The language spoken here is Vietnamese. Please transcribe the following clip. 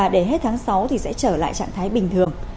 để hết tháng sáu sẽ trở lại trạng thái bình thường